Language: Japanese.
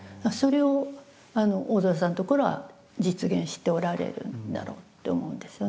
それを大空さんのところは実現しておられるんだろうって思うんですよね。